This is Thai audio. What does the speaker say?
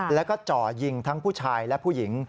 แล้วก็จ่อยิงทั้งผู้ชายและผู้หญิง